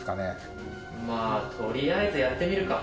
まあとりあえずやってみるか。